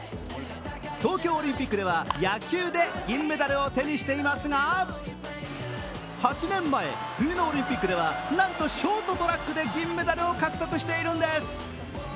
東京オリンピックでは野球で銀メダルを手にしていますが８年前、冬のオリンピックではなんとショートトラックで銀メダルを獲得しているんです。